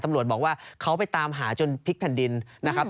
ตำรวจบอกว่าเขาไปตามหาจนพลิกแผ่นดินนะครับ